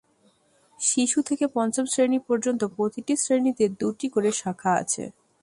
শিশু থেকে পঞ্চম শ্রেণি পর্যন্ত প্রতিটি শ্রেণিতে দুটি করে শাখা আছে।